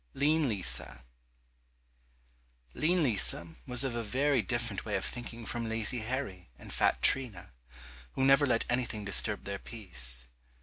168 Lean Lisa Lean Lisa was of a very different way of thinking from lazy Harry and fat Trina, who never let anything disturb their peace.